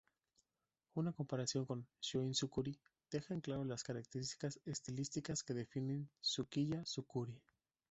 Una comparación con "shoin-zukuri" deja en claro las características estilísticas que definen "sukiya-zukuri".